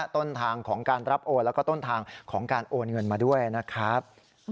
ต้นทางของการรับโอนแล้วก็ต้นทางของการโอนเงินมาด้วยนะครับ